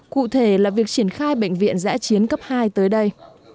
cụ thể là việc triển khai bệnh viện giã chiến cấp hai tới đây